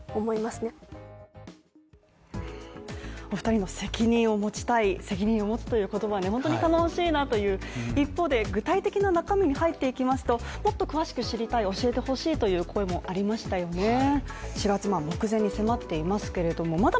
お２人の責任を持ちたい責任を持つという言葉に本当に頼もしいなという一方で具体的な中身に入っていきますと、もっと詳しく知りたい教えてほしいという声もありましたよね。